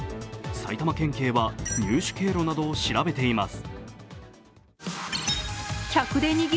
埼玉県警は入手経路などを調べています。